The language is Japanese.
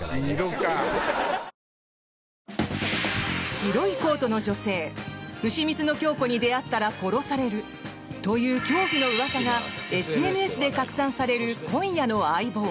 白いコートの女性丑三つのキョウコに出会ったら殺されるという恐怖のうわさがＳＮＳで拡散される今夜の「相棒」。